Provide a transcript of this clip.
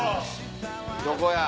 どこや？